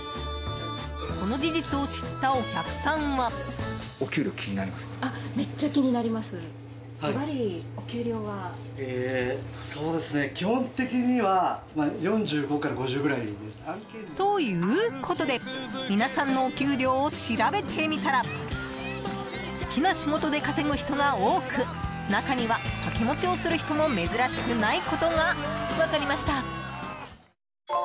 この事実を知ったお客さんは。ということで皆さんのお給料を調べてみたら好きな仕事で稼ぐ人が多く中には、掛け持ちをする人も珍しくないことが分かりました。